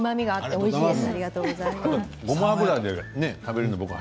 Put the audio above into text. おいしいです。